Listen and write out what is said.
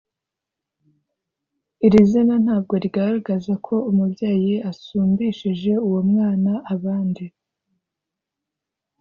Iri zina ntabwo rigaragaza ko umubyeyi asumbishije uwo mwana abandi